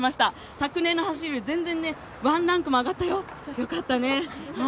昨年の走りより全然、ワンランクも上がったよ、よかったね。